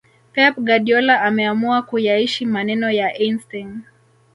Pep Guadiola ameamua kuyaishi maneno ya Eistein